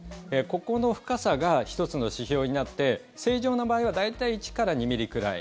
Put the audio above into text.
ここの深さが１つの指標になって正常な場合は大体１から２ｍｍくらい。